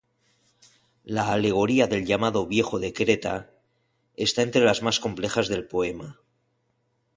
La alegoría del llamado "Viejo de Creta" está entre las más complejas del poema.